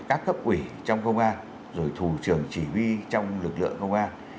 các cấp ủy trong công an rồi thủ trưởng chỉ huy trong lực lượng công an